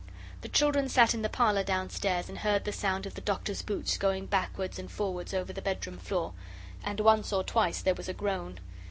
The children sat in the parlour downstairs and heard the sound of the Doctor's boots going backwards and forwards over the bedroom floor. And once or twice there was a groan.